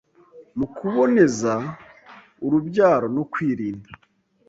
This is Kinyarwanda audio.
mu kuboneza urubyaro no kwirinda